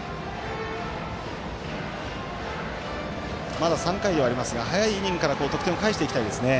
まだ３回ではありますが早いイニングから得点を返していきたいですね。